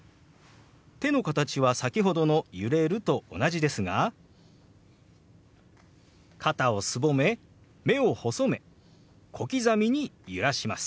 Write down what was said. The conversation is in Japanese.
手の形は先ほどの「揺れる」と同じですが肩をすぼめ目を細め小刻みに揺らします。